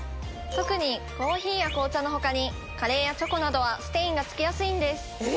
特にコーヒーや紅茶のほかにカレーやチョコなどはステインがつきやすいんです。